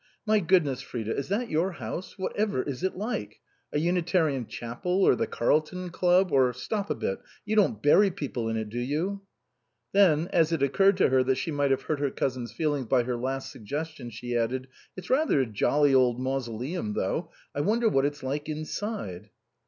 My goodness, Frida ! is that your house ? What ever is it like ? A Unitarian chapel, or the Carl ton Club, or, stop a bit you don't bury people in it, do you ?" Then, as it occurred to her that she might have hurt her cousin's feelings by her last suggestion, she added, "It's rather a jolly old mausoleum, though. I wonder what it's like inside."